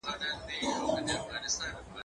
که وخت وي، لوبه کوم،